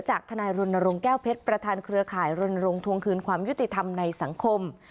ทนายรณรงค์แก้วเพชรประธานเครือข่ายรณรงค์ทวงคืนความยุติธรรมในสังคม